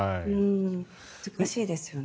難しいですよね。